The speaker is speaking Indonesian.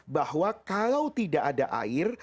bahwa kalau tidak ada air